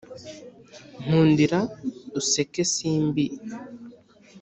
nkundira useke simbi